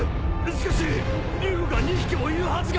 しかし龍が２匹もいるはずが。